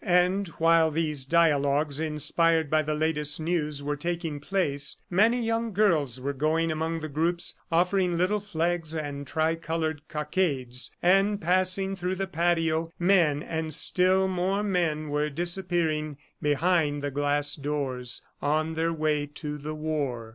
And while these dialogues, inspired by the latest news were taking place, many young girls were going among the groups offering little flags and tricolored cockades and passing through the patio, men and still more men were disappearing behind the glass doors, on their way to the war.